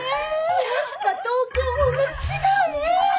やっぱ東京もんな違うねぇ。